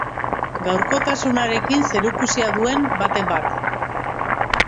Gaurkotasunarekin zerikusia duen baten bat.